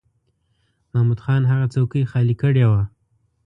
محمود خان هغه څوکۍ خالی کړې وه.